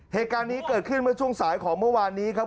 เหตุการณ์นี้เกิดขึ้นเมื่อช่วงสายของเมื่อวานนี้ครับ